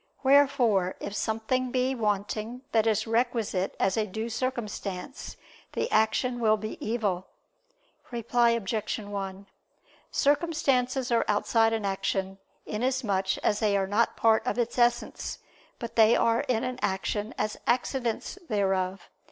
Wherefore if something be wanting that is requisite as a due circumstance the action will be evil. Reply Obj. 1: Circumstances are outside an action, inasmuch as they are not part of its essence; but they are in an action as accidents thereof.